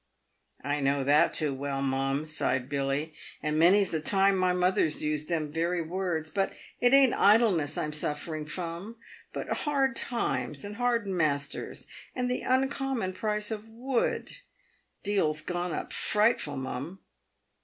" I know that too w r ell, mum," sighed Billy ;" and many's the time my mother's used them very words. But it ain't idleness I'm suffer ing from, but hard times and hard masters, and the uncommon price of wood. Deal's gone up frightful, mum."